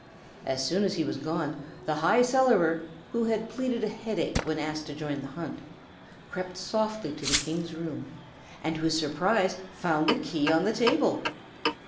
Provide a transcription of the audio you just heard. As soon as he was gone, the High Cellarer, who had pleaded a headache when asked to join the hunt, crept softly to the King's room, and to his surprise found the key on the table.